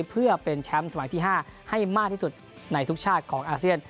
เพื่อเป็นแชมป์สมัยที่๕ให้มากที่สุดในทุกชาติของอาเซียน